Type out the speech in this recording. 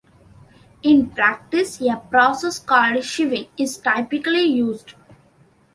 In practice, a process called "sieving" is typically used.